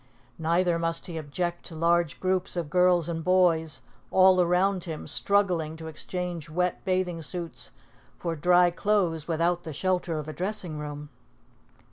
Neither must he object to large groups of girls and boys all around him, struggling to exchange wet bathing suits for dry clothes without the shelter of a dressing room.